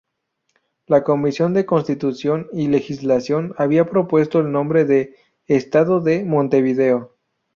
La Comisión de Constitución y Legislación había propuesto el nombre de "Estado de Montevideo".